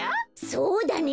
そうだね！